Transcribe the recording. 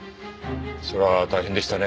それは大変でしたね。